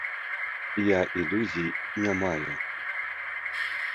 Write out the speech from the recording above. Я ілюзій не маю.